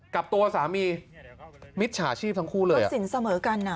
กับตัวสามีมิจฉาชีพทั้งคู่เลยตัดสินเสมอกันอ่ะ